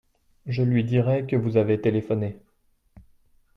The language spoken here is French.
Je lui dirai que vous avez téléphoné.